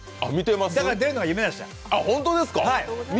だから、出るのが夢でした。